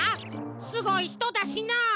すごいひとだしな。